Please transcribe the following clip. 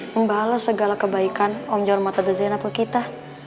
membalas segala kebaikan om jaromata dezenap ke kita